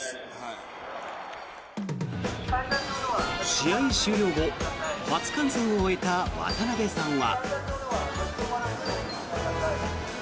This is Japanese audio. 試合終了後初観戦を終えた渡辺さんは。